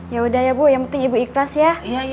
yaudah ya bu yang penting ibu ikhlas ya